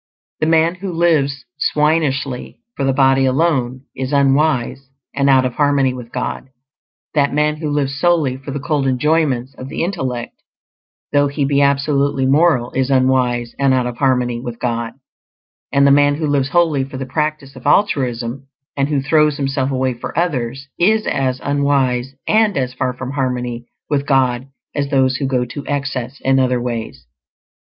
The man who lives swinishly, for the body alone, is unwise and out of harmony with God; that man who lives solely for the cold enjoyments of the intellect, though he be absolutely moral, is unwise and out of harmony with God; and the man who lives wholly for the practice of altruism, and who throws himself away for others, is as unwise and as far from harmony with God as those who go to excess in other ways.